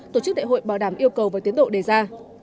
tổ chức đại hội bảo đảm yêu cầu và tiến độ đề ra